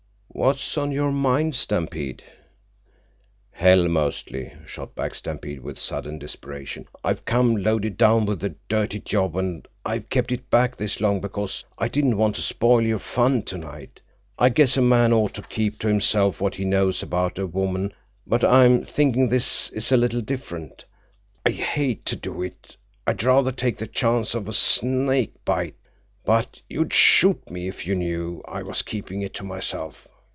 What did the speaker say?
"What's on your mind, Stampede?" "Hell, mostly," shot back Stampede with sudden desperation. "I've come loaded down with a dirty job, and I've kept it back this long because I didn't want to spoil your fun tonight. I guess a man ought to keep to himself what he knows about a woman, but I'm thinking this is a little different. I hate to do it. I'd rather take the chance of a snake bite. But you'd shoot me if you knew I was keeping it to myself."